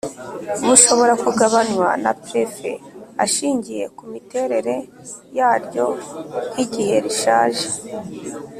bushobora kugabanywa na prefe ashingiye kumiterere yaryo nk’igihe rishaje